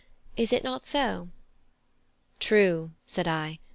Is it not so?" "True," said I.